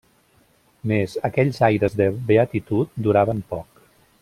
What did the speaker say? Mes, aquells aires de beatitud duraven poc.